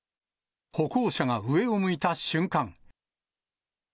歩行者が上を向いた瞬間。